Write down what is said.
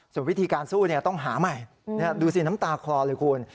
ส่วนวิธีการสู้ต้องหาใหม่ดูสิน้ำตาคลอเลยคุณ